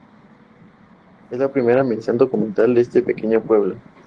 Es la primera mención documental de este pequeño pueblo.